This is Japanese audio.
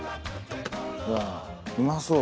うわうまそう。